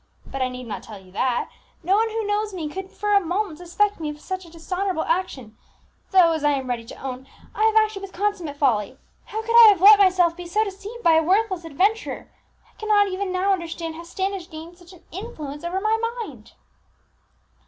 But I need not tell you that. No one who knows me could for a moment suspect me of a dishonourable action, though, as I am ready enough to own, I have acted with consummate folly. How could I have let myself be so deceived by a worthless adventurer? I cannot even now understand how Standish gained such an influence over my mind!"